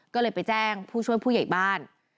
ก็เลยไปแจ้งผู้ช่วยผู้ใหญ่บ้าน